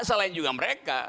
kita gak salahin juga mereka